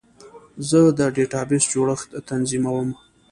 زه د ډیټابیس جوړښت تنظیموم.